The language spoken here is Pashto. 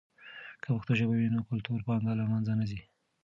که پښتو ژبه وي، نو کلتوري پانګه له منځه نه ځي.